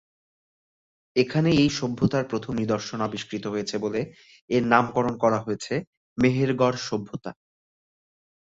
এখানেই এই সভ্যতার প্রথম নিদর্শন আবিষ্কৃত হয়েছে বলে এর নামকরণ হয়েছে মেহেরগড় সভ্যতা।